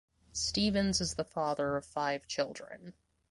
Stephens is the father of five children.